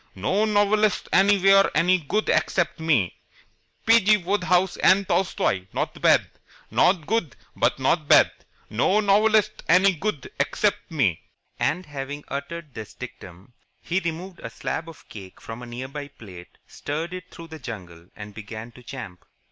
No novelists anywhere any good except me. P. G. Wodehouse and Tolstoi not bad. Not good, but not bad. No novelists any good except me." And, having uttered this dictum, he removed a slab of cake from a near by plate, steered it through the jungle, and began to champ.